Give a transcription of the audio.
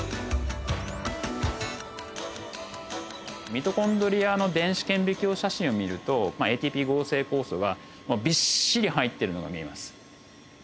ミトコンドリアの電子顕微鏡写真を見るとまあＡＴＰ合成酵素がもうびっしり入っているのが見えます。